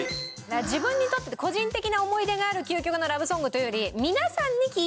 自分にとって個人的な思い出がある究極のラブソングというより。